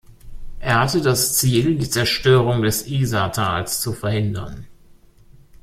Er hatte das Ziel, die Zerstörung des Isartals zu verhindern.